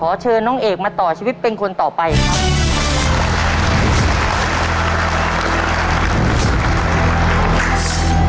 เชิญน้องเอกมาต่อชีวิตเป็นคนต่อไปครับ